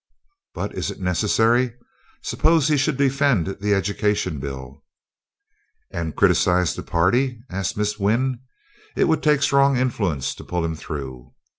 "But is it necessary? Suppose he should defend the Education Bill." "And criticise the party?" asked Miss Wynn. "It would take strong influence to pull him through."